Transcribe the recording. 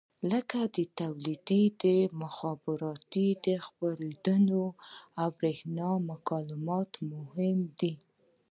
لکه تولیدي، خدماتي، خپرندویي او برېښنایي مکالمات مهم دي.